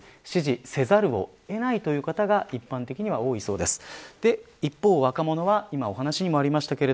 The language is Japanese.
支持せざるを得ないという方が一般的には多いそうです。